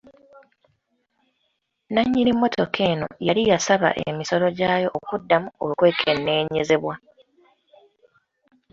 Nnannyini mmotoka eno yali yasaba emisolo gyayo okuddamu okwekenneenyezebwa.